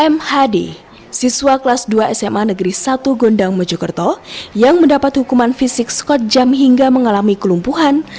mhd siswa kelas dua sma negeri satu gondang mojokerto yang mendapat hukuman fisik skot jam hingga mengalami kelumpuhan